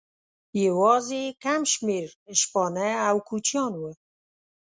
یوازې کم شمېر شپانه او کوچیان وو.